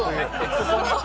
ここに？